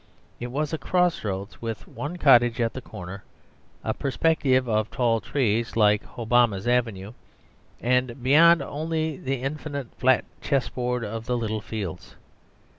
It was a cross roads, with one cottage at the corner, a perspective of tall trees like Hobbema's "Avenue," and beyond only the infinite flat chess board of the little fields.